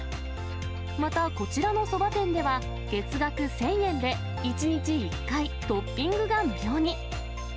またこちらのそば店では、月額１０００円で１日１回、トッピングが無料に。